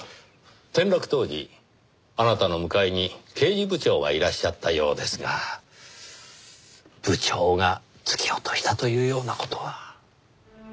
転落当時あなたの向かいに刑事部長がいらっしゃったようですが部長が突き落としたというような事は？